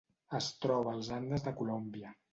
Es troba als Andes de Colòmbia.